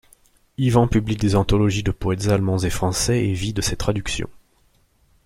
Yvan publie des anthologies de poètes allemands et français et vit de ses traductions.